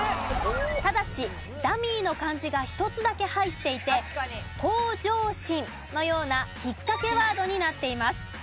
ただしダミーの漢字が１つだけ入っていて「向上心」のようなひっかけワードになっています。